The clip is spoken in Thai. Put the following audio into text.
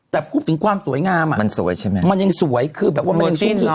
แต่ความสวยงามอะมันยังสวยหรอ